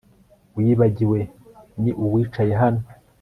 Wibagiwe ni uwicaye hano